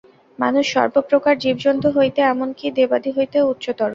মানুষ সর্বপ্রকার জীবজন্তু হইতে, এমন কি দেবাদি হইতেও উচ্চতর।